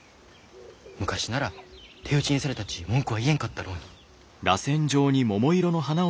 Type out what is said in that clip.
昔なら手討ちにされたち文句は言えんかったろうに。